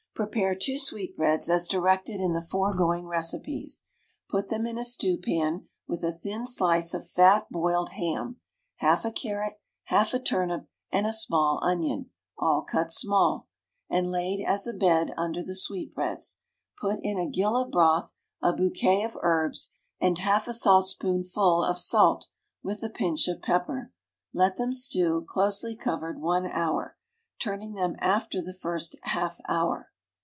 _ Prepare two sweetbreads as directed in the foregoing recipes. Put them in a stewpan with a thin slice of fat boiled ham, half a carrot, half a turnip, and a small onion, all cut small, and laid as a bed under the sweetbreads; put in a gill of broth, a bouquet of herbs, and half a saltspoonful of salt, with a pinch of pepper. Let them stew, closely covered, one hour, turning them after the first half hour.